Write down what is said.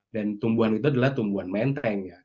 dan tumbuhan itu adalah tumbuhan menteng